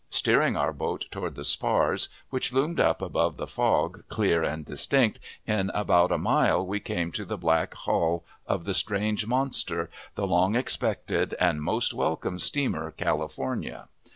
Steering our boat toward the spars, which loomed up above the fog clear and distinct, in about a mile we came to the black hull of the strange monster, the long expected and most welcome steamer California.